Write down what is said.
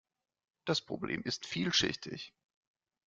Das Problem ist vielschichtig.